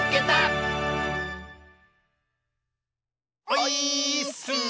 オイーッス！